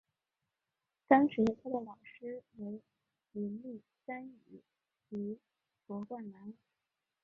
当时他的老师为林立三以及罗冠兰。